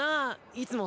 いつも。